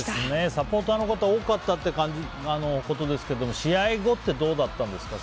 サポーターの方多かったってことですけど試合後ってどうだったんですか